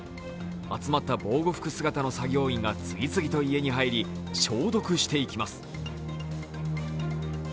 集まった防護服姿の作業員が次々と家に入り消毒していきます。